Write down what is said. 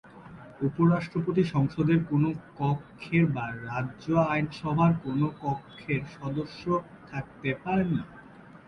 উপরাষ্ট্রপতি সংসদের কোনো কক্ষের বা রাজ্য আইনসভার কোনো কক্ষের সদস্য থাকতে পারেন না।